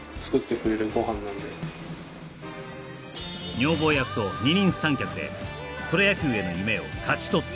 女房役と二人三脚でプロ野球への夢を勝ち取った